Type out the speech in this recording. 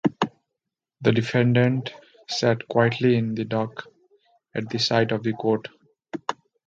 The defendant sat quietly in the dock, at the side of the court.